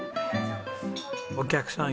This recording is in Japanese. お客さん